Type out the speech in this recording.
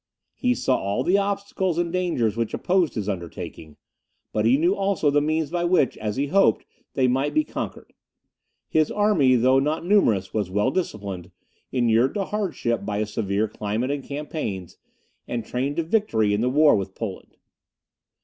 He saw all the obstacles and dangers which opposed his undertaking, but he knew also the means by which, as he hoped, they might be conquered. His army, though not numerous, was well disciplined, inured to hardship by a severe climate and campaigns, and trained to victory in the war with Poland.